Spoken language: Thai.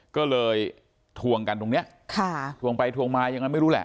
ก็เลยถวงกันตรงนี้ถวงไปถวงมาในไว้ไม่รูและ